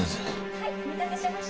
はいお待たせしました。